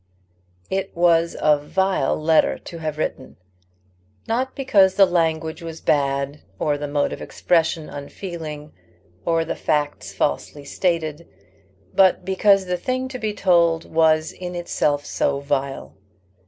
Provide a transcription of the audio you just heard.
It was a vile letter to have written not because the language was bad, or the mode of expression unfeeling, or the facts falsely stated but because the thing to be told was in itself so vile.